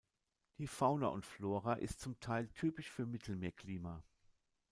Die Fauna und Flora ist zum Teil typisch für Mittelmeerklima.